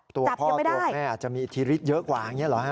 ตัวพ่อตัวแม่อาจจะมีอิทธิฤทธิเยอะกว่าอย่างนี้เหรอฮะ